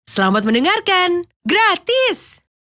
selamat mendengarkan gratis